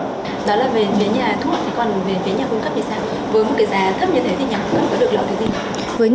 đó là về phía nhà thuốc còn về phía nhà cung cấp thì sao với một cái giá thấp như thế thì nhà cung cấp có được lợi gì